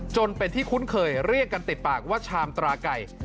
จนเป็นที่คุ้นเคยเรียกกันติดปากว่าชามตราไก่